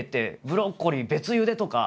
ブロッコリー別ゆでとか。